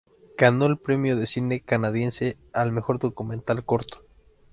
Ganó el Premio de Cine canadiense al mejor documental corto.